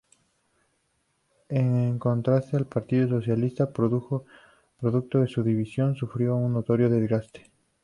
En contraste, el Partido Socialista, producto de su división, sufrió un notorio desgaste.